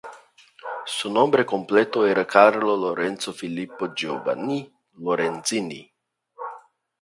Su nombre completo era Carlo Lorenzo Filippo Giovanni Lorenzini.